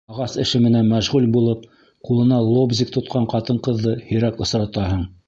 Ағас эше менән мәшғүл булып, ҡулына лобзик тотҡан ҡатын-ҡыҙҙы һирәк осратаһың.